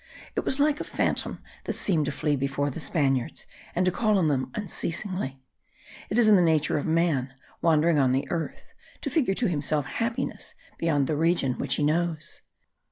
It was like a phantom that seemed to flee before the Spaniards, and to call on them unceasingly. It is in the nature of man, wandering on the earth, to figure to himself happiness beyond the region which he knows.